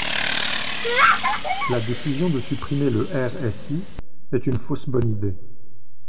La décision de supprimer le RSI est une fausse bonne idée.